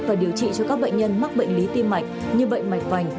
và điều trị cho các bệnh nhân mắc bệnh lý tim mạch như bệnh mạch vành